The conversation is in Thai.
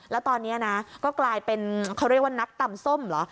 แล้วตอนนี้นะก็กลายเป็นเขาเรียกว่านักตำส้มเหรอ